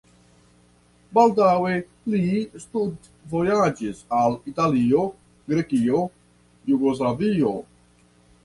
Baldaŭe li studvojaĝis al Italio, Grekio, Jugoslavio.